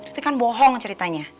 itu kan bohong ceritanya